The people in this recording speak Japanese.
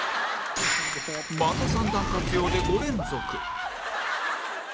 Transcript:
また三段活用で５連続